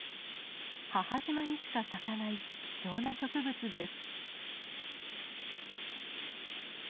母島にしか咲かない貴重な植物です。